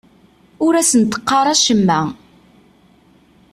Ur asent-qqar acemma.